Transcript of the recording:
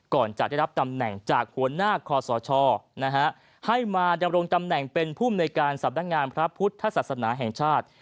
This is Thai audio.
ก่อนจะได้รับตำแหน่งจากหัวหน้าคอสชให้มาดำรงตำแหน่งเป็นภูมิในการสำนักงานพระพุทธศาสนาแห่งชาติ